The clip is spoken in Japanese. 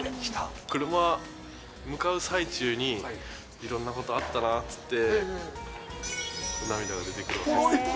車向かう最中に、いろんなことあったなぁって言って、涙が出てくるわけです。